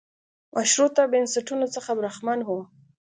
مشروطه بنسټونو څخه برخمن و.